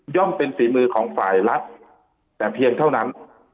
เป็นฝีมือของฝ่ายรัฐแต่เพียงเท่านั้น